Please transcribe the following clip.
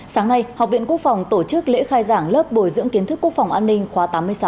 sáng nay học viện quốc phòng tổ chức lễ khai giảng lớp bồi dưỡng kiến thức quốc phòng an ninh khóa tám mươi sáu